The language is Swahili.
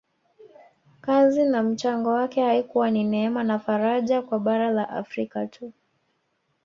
Kazi na mchango wake haikuwa ni neema na faraja kwa bara la Afrika tu